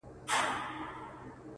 ژمی وه، هوا ډېره یخه وه